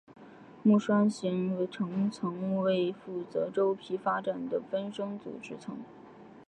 木栓形成层为负责周皮发展的分生组织层。